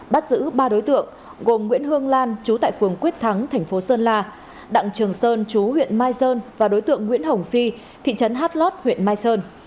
bắt giữ ba đối tượng gồm nguyễn hương lan chú tại phường quyết thắng thành phố sơn la đặng trường sơn chú huyện mai sơn và đối tượng nguyễn hồng phi thị trấn hát lót huyện mai sơn